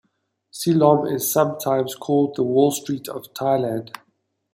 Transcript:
Si Lom is sometimes called the "Wall Street of Thailand".